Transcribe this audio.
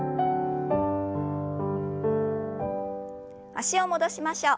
脚を戻しましょう。